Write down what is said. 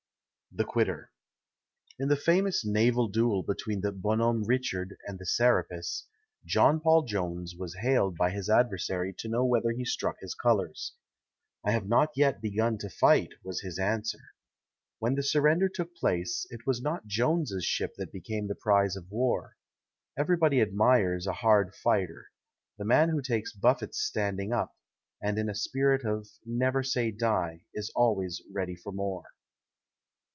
THE QUITTER In the famous naval duel between the Bonhomme Richard and the Serapis, John Paul Jones was hailed by his adversary to know whether he struck his colors. "I have not yet begun to fight," was his answer. When the surrender took place, it was not Jones's ship that became the prize of war. Everybody admires a hard fighter the man who takes buffets standing up, and in a spirit of "Never say die" is always ready for more.